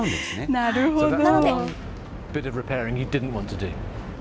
なるほど。